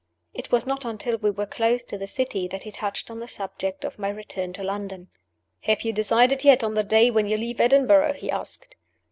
It was not until we were close to the city that he touched on the subject of my return to London. "Have you decided yet on the day when you leave Edinburgh?" he asked.